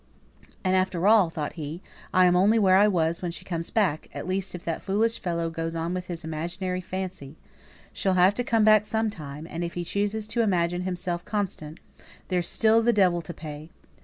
"And, after all," thought he, "I'm only where I was when she comes back; at least, if that foolish fellow goes on with his imaginating fancy. She'll have to come back some time, and if he chooses to imagine himself constant, there's still the devil to pay."